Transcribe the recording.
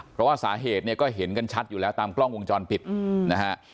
เพราะว่าสาเหตุเนี่ยก็เห็นกันชัดอยู่แล้วตามกล้องวงจรปิดนะฮะ